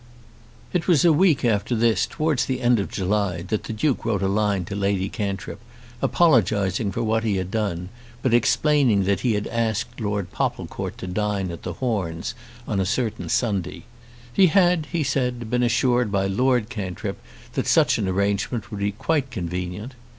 It was a week after this, towards the end of July, that the Duke wrote a line to Lady Cantrip, apologising for what he had done, but explaining that he had asked Lord Popplecourt to dine at The Horns on a certain Sunday. He had, he said, been assured by Lord Cantrip that such an arrangement would be quite convenient.